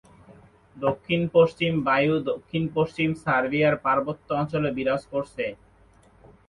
দক্ষিণ-পশ্চিম বায়ু দক্ষিণ-পশ্চিম সার্বিয়ার পার্বত্য অঞ্চলে বিরাজ করছে।